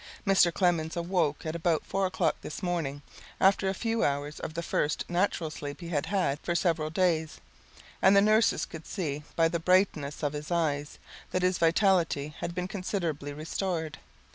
Mr. Clemens awoke at about 4 o'clock this morning after a few hours of the first natural sleep he has had for several days, and the nurses could see by the brightness of his eyes that his vitality had been considerably restored.